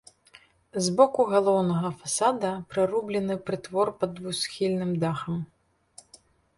З боку галоўнага фасада прырублены прытвор пад двухсхільным дахам.